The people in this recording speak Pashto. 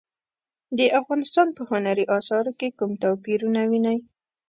د افغانستان په هنري اثارو کې کوم توپیرونه وینئ؟